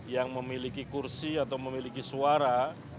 yang memiliki kursi atau memiliki suara